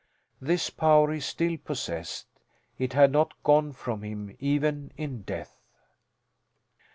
This power he still possessed. It had not gone from him even in death.